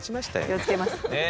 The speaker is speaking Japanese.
気をつけます。ね。